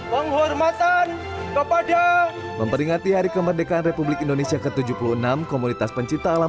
penghormatan kepada memperingati hari kemerdekaan republik indonesia ke tujuh puluh enam komunitas pencipta alam